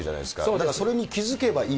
だからそれに気付けばいい。